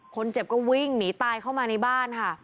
คนเจ็บก็วิ่งหนีตายเข้ามาในบ้านค่ะ